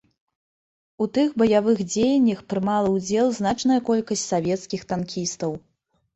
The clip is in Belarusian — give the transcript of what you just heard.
У тых баявых дзеяннях прымала ўдзел значная колькасць савецкіх танкістаў.